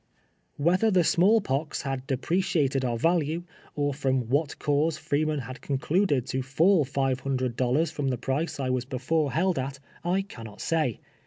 "Whether the small pox had dejjreeiated our value, or from svhat cause Freeman liad concluded to fall five hundred dollars from the price I was before held at, I cannot say.